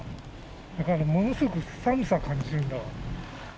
だからものすごく寒さ感じるんだわ。